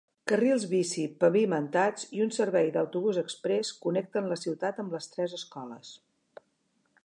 Carrils bici pavimentats i un servei d'autobús exprés connecten la ciutat amb les tres escoles.